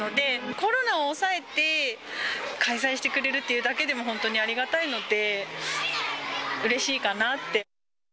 コロナをおさえて、開催してくれるっていうだけでも本当にありがたいので、うれしいかなって。